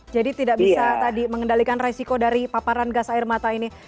jadi tidak bisa tadi mengendalikan resiko dari paparan gas air mata ini